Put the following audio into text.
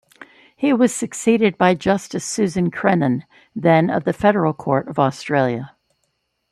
He was succeeded by Justice Susan Crennan, then of the Federal Court of Australia.